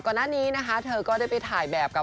ก่อนหน้านี้นะคะเธอก็ได้ไปถ่ายแบบกับ